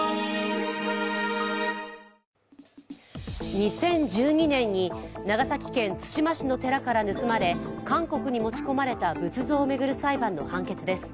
２０１２年に長崎県対馬市の寺から盗まれ韓国に持ち込まれた仏像を巡る裁判の判決です。